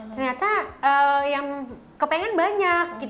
ternyata yang kepingin banyak